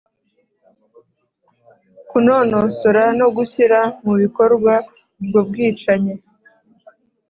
kunonosora no gushyira mu bikorwa ubwo bwicanyi.